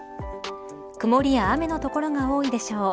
曇りや雨の所が多いでしょう。